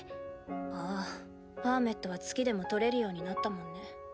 ああパーメットは月でも採れるようになったもんね。